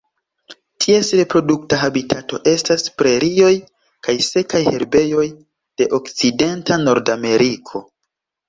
Ties reprodukta habitato estas prerioj kaj sekaj herbejoj de okcidenta Nordameriko.